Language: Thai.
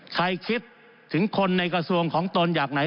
คิดถึงคนในกระทรวงของตนอยากไหน